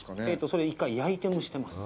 それ、一回、焼いて蒸してます。